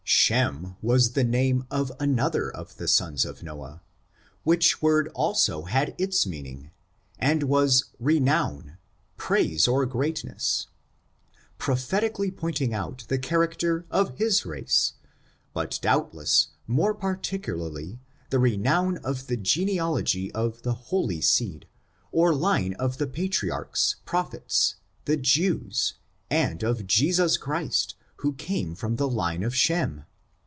Shem, was the name of another of the sons of No ah ; which word also had its meaning, and was re nowrij praise or greatness, prophetically pointing out the character of his race, but doubtless more partic ularly, the renown of the genealogy of the holy seed, or line of the Patriarchs, Prophets, the Jews, and of Jesus Christ, who came of the line of Shem.